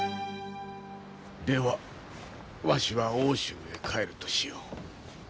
ではわしは奥州へ帰るとしよう。